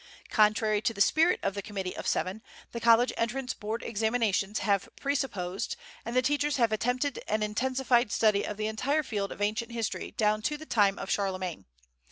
Contrary to the spirit of the Committee of Seven, the college entrance board examinations have presupposed, and the teachers have attempted an intensified study of the entire field of ancient history down to the time of Charlemagne.